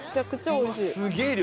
すげえ量！